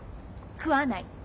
食わない。